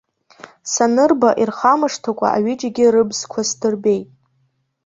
Санырба, ирхамышҭыкәа аҩыџьагьы рыбзқәа сдырбеит.